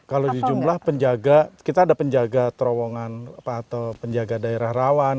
kalau di jumlah penjaga kita ada penjaga terowongan atau penjaga daerah rawan